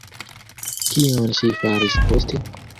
Kion ŝi faris poste?